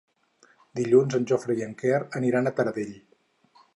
Dilluns en Jofre i en Quer aniran a Taradell.